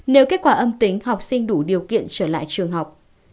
nếu kết quả âm tính học sinh đủ điều kiện trở lại trường học